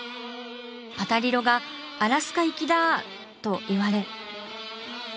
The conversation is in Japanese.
パタリロが「アラスカ行きだー！」と言われ。